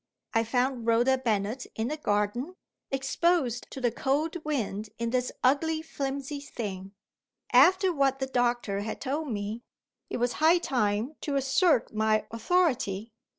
I found Rhoda Bennet in the garden, exposed to the cold wind in this ugly flimsy thing. After what the doctor had told me, it was high time to assert my authority.